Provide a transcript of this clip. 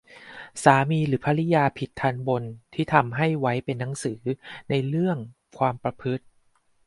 สามีหรือภริยาผิดทัณฑ์บนที่ทำให้ไว้เป็นหนังสือในเรื่องความประพฤติ